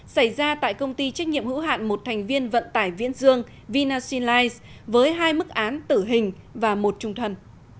xảy ra tại công ty trách nhiệm hữu hạn một thành viên vận tải viễn dương vinasin life với hai mức án tử hình và một trung thân